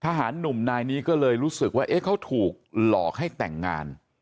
หนุ่มนายนี้ก็เลยรู้สึกว่าเขาถูกหลอกให้แต่งงาน